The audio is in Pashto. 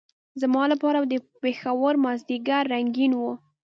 زما لپاره به د پېښور مازدیګر رنګین وو.